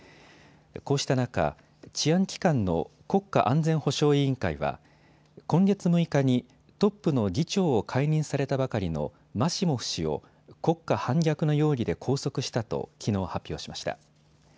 こうした中、治安機関の国家安全保障委員会は今月６日にトップの議長を解任されたばかりのマシモフ氏を国家反逆の容疑で拘束したときのう発表しました。